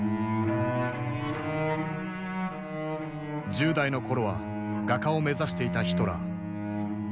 １０代の頃は画家を目指していたヒトラー。